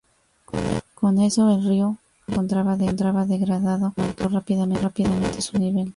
Con eso, el río, que ya se encontraba degradado, aumentó rápidamente su nivel.